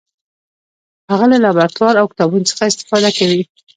هغه له لابراتوار او کتابتون څخه استفاده کوي.